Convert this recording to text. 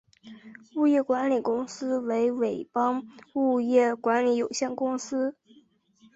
物业管理公司为伟邦物业管理有限公司。